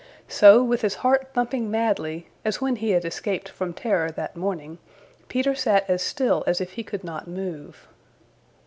So with his heart thumping madly, as when he had escaped from Terror that morning, Peter sat as still as if he could not move.